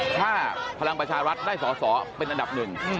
ถ้าพลังประชารัฐได้สอสอเป็นอันดับหนึ่ง